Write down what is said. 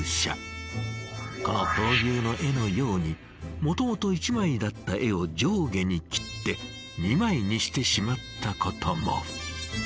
この闘牛の絵のようにもともと１枚だった絵を上下に切って２枚にしてしまったことも。